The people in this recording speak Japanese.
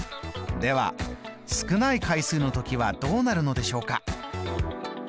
では少ない回数の時はどうなるのでしょうか。